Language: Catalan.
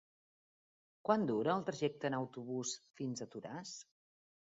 Quant dura el trajecte en autobús fins a Toràs?